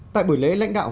tại buổi lễ lãnh đạo